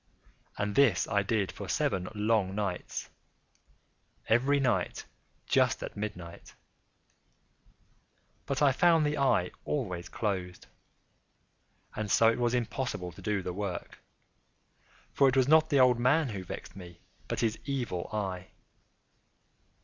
And this I did for seven long nights—every night just at midnight—but I found the eye always closed; and so it was impossible to do the work; for it was not the old man who vexed me, but his Evil Eye.